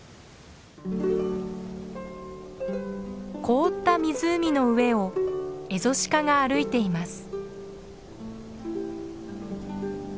凍った湖の上をエゾシカが歩いています。